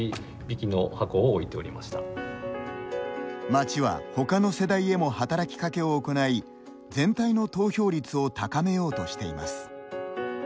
町は、ほかの世代へも働きかけを行い全体の投票率を高めようとしています。